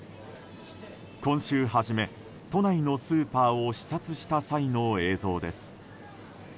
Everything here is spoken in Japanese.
今週初め、都内のスーパーを視察した際の映像です。